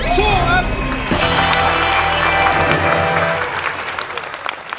สู้ครับ